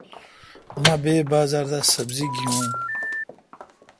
مہ بے بازار دا سبزی گیون۔